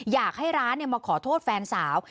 อยากให้ร้านมาขอโทษแฟนสาว